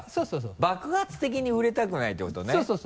爆発的に売れたくないってことねそうそう。